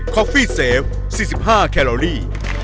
คอฟฟี่เซลสี่สิบห้าแคลอรี่